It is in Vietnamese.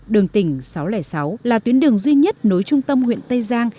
đường tỉnh sáu trăm linh sáu là tuyến đường duy nhất nối trung tâm huyện tây giang